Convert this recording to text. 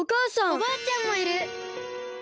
おばあちゃんもいる！